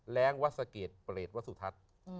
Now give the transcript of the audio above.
แรงวัสเกตเปรตวสุทัศน์